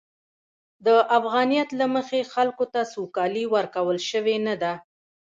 د افغانیت له مخې، خلکو ته سوکالي ورکول شوې نه ده.